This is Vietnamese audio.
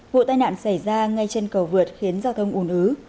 vụ tai nạn xảy ra ngay trên cầu vượt khiến giao thông ủn ứ